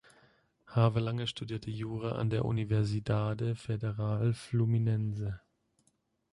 Havelange studierte Jura an der Universidade Federal Fluminense.